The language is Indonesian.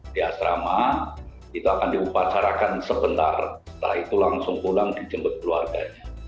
di asrama itu akan diupacarakan sebentar setelah itu langsung pulang dijemput keluarganya